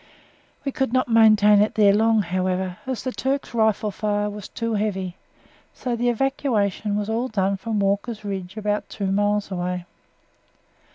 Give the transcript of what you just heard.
We could not maintain it there long, however, as the Turks' rifle fire was too heavy, so the evacuation was all done from Walker's Ridge about two miles away.